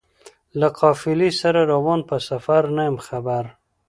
له قافلې سره روان په سفر نه یم خبر